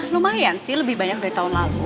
lumayan sih lebih banyak dari tahun lalu